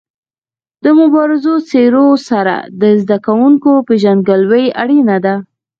د مبارزو څېرو سره د زده کوونکو پيژندګلوي اړینه ده.